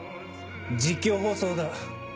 実況放送だ。